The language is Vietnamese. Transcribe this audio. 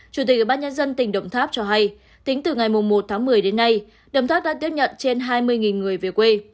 chủ tịch ubnd tỉnh đồng tháp cho hay tính từ ngày một tháng một mươi đến nay đồng tháp đã tiếp nhận trên hai mươi người về quê